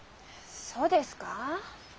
そうですか？